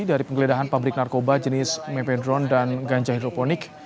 dari penggeledahan pabrik narkoba jenis mepedron dan ganja hidroponik